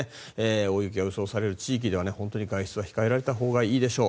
大雪が予想される地域では外出は控えられたほうがよいでしょう。